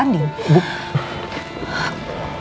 kenapa kamu harus membahas soal adin